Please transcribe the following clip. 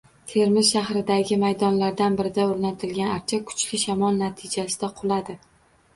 Termiz shahridagi maydonlardan birida oʻrnatilgan archa kuchli shamol natijasida qulagan.